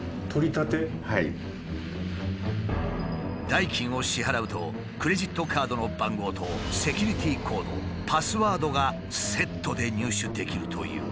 代金を支払うとクレジットカードの番号とセキュリティコードパスワードがセットで入手できるという。